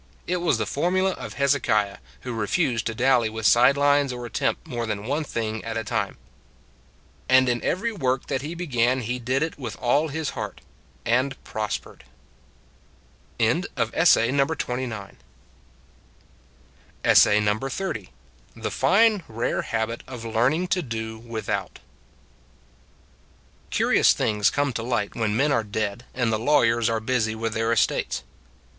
It was the formula of Hezekiah, who re fused to dally with side lines or attempt more than one thing at a time. " And in every work that he began he did it with all his heart and prospered. THE FINE RARE HABIT OF LEARNING TO DO WITHOUT CURIOUS things come to light when men are dead and the lawyers are busy with their estates.